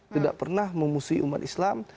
tidak pernah memusuhi umat islam